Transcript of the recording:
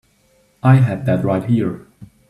I had that right here.